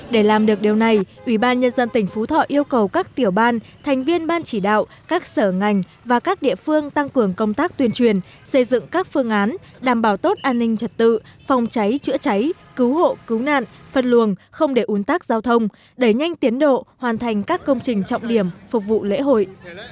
để làm được điều này ủy ban nhân dân tỉnh phú thọ yêu cầu các tiểu ban thành viên ban chỉ đạo các sở ngành và các địa phương tăng cường công tác tuyên truyền xây dựng các phương án đảm bảo tốt an ninh trật tự phòng cháy chữa cháy cứu hộ cứu nạn phân luồng không để ủn tắc giao thông đẩy nhanh tiến độ hoàn thành các công trình trọng điểm phục vụ lễ hội